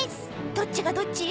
どっちがどっち？］